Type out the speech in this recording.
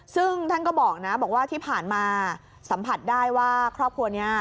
ซึ่งท่านก็บอกนะบอกว่าที่ผ่านมาสัมผัสได้ว่าครอบครัวนี้